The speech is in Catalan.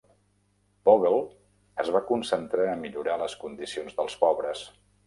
Bogle es va concentrar a millorar les condicions dels pobres.